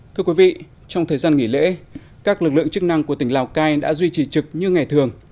thưa quý vị trong thời gian nghỉ lễ các lực lượng chức năng của tỉnh lào cai đã duy trì trực như ngày thường